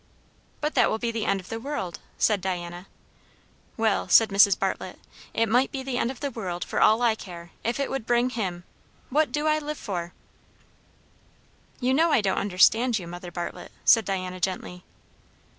"But that will be the end of the world," said Diana. "Well," said Mrs. Bartlett, "it might be the end of the world for all I care; if it would bring Him. What do I live for?" "You know I don't understand you, Mother Bartlett," said Diana gently.